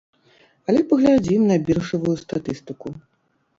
Але паглядзім на біржавую статыстыку.